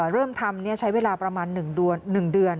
เริ่มทำใช้เวลาประมาณ๑เดือน